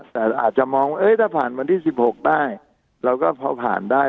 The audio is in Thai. แต่อาจจะมองว่าถ้าผ่านวันที่๑๖ได้เราก็พอผ่านได้